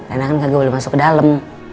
enak kan kagak boleh masuk ke dalam